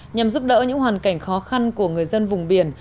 nhằm giúp đỡ những hoàn cảnh khó khăn của người dân vùng biển